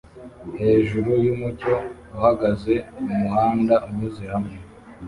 hejuru yumucyo uhagaze mumuhanda unyuze hamwe